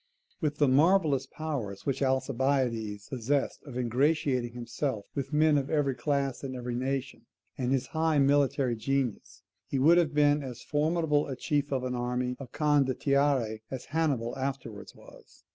With the marvellous powers which Alcibiades possessed of ingratiating himself with men of every class and every nation, and his high military genius, he would have been as formidable a chief of an army of CONDOTTIERI as Hannibal afterwards was.